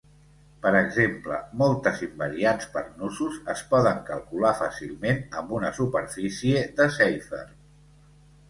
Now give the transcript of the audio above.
Per exemple, moltes invariants per nusos es poden calcular fàcilment amb una superfície de Seifert.